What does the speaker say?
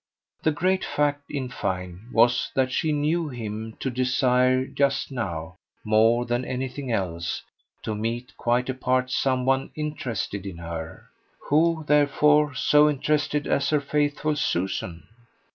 The great fact, in fine, was that she KNEW him to desire just now, more than anything else, to meet, quite apart, some one interested in her. Who therefore so interested as her faithful Susan?